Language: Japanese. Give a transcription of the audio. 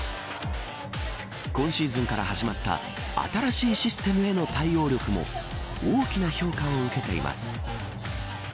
今シーズンから始まった新しいシステムへの対応力も大きな評価を受けています。